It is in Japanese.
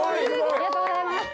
ありがとうございます。